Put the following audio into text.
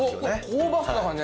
香ばしさがね